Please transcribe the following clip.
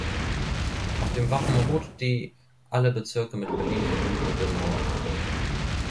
Auf dem Wappen ruht die alle Bezirke mit Berlin verbindende Mauerkrone.